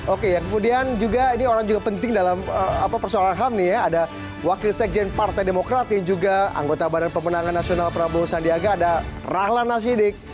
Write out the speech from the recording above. oke yang kemudian juga ini orang juga penting dalam persoalan ham nih ya ada wakil sekjen partai demokrat yang juga anggota badan pemenangan nasional prabowo sandiaga ada rahlan nasidik